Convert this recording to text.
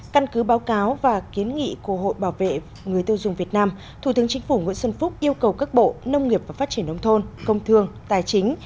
căn cứ báo cáo và kiến nghị của hội bảo vệ người tiêu dùng việt nam thủ tướng chính phủ nguyễn xuân phúc yêu cầu các bộ nông nghiệp và phát triển nông thôn công thương tài chính